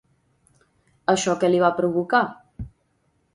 Això que li va provocar?